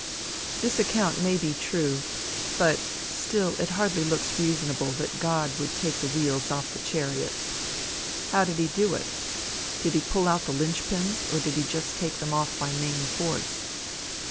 This account may be true, but still it hardly looks reasonable that God would take the wheels off the chariots. How did he do it? Did he pull out the linch pins, or did he just take them off by main force?